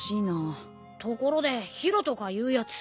ところで宙とかいうやつ。